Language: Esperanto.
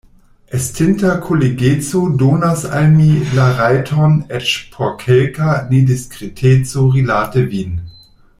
Estinta kolegeco donas al mi la rajton eĉ por kelka nediskreteco rilate vin.